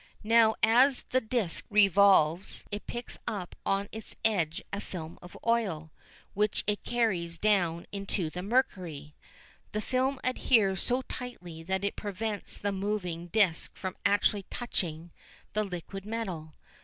Now as the disc revolves it picks up on its edge a film of oil, which it carries down into the mercury. The film adheres so tightly that it prevents the moving disc from actually touching the liquid metal.